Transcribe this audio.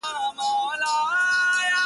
o هر څوک ځان په بل حالت کي احساسوي ګډ,